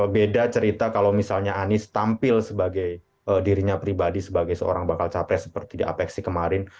beda cerita kalau misalnya anies tampil sebagai dirinya pribadi sebagai seorang bakal capres seperti di apeksi kemarin